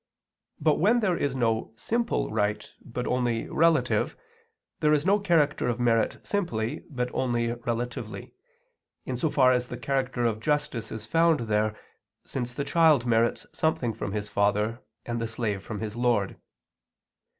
But where there is no simple right, but only relative, there is no character of merit simply, but only relatively, in so far as the character of justice is found there, since the child merits something from his father and the slave from his lord.